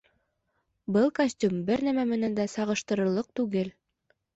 Был костюм бер нәмә менән дә сағыштырырлыҡ түгел